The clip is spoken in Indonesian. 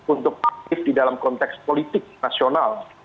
untuk aktif di dalam konteks politik nasional